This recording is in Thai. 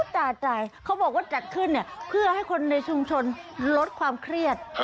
ทราติศัตริย์เค้าบอกว่าจัดขึ้นเพื่อให้คนในชุมชนลดความเครียด